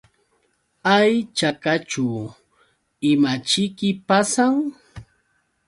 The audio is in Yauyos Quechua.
Hay chakaćhu ¿imaćhiki pasan?